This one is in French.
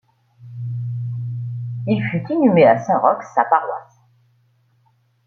Il fut inhumé à Saint-Roch, sa paroisse.